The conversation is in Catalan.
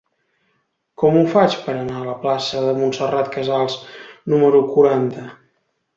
Com ho faig per anar a la plaça de Montserrat Casals número quaranta?